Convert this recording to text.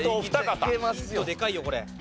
ヒントでかいよこれ。